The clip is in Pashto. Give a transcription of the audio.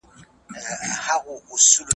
زه به ږغ اورېدلی وي؟!